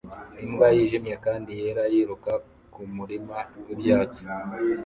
Imbwa yijimye kandi yera yiruka mumurima wibyatsi